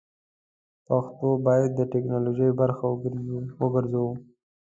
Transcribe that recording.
پښتو بايد د ټيکنالوژۍ برخه وګرځوو!